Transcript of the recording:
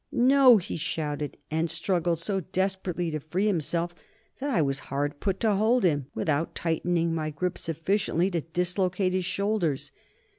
"No!" he shouted, and struggled so desperately to free himself that I was hard put to it to hold him, without tightening my grip sufficiently to dislocate his shoulders.